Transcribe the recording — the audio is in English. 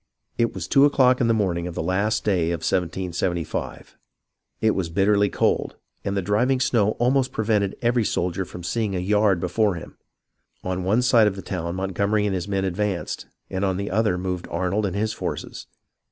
It was two o'clock in the morning of the last day of 1775. It was bitterly cold, and the driving snow almost prevented every soldier from seeing a yard before him. On one side of the town Montgomery and his men advanced, and on the other moved Arnold and his forces.